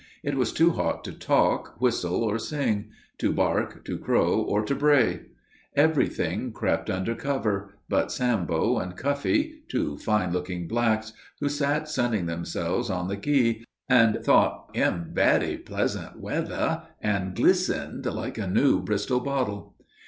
It was too hot to talk, whistle, or sing; to bark, to crow, or to bray. Every thing crept under cover, but Sambo and Cuffee, two fine looking blacks, who sat sunning themselves on the quay, and thought "him berry pleasant weather," and glistened like a new Bristol bottle.